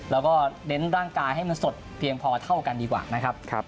แล้วก็เน้นร่างกายให้มันสดเพียงพอเท่ากันดีกว่านะครับ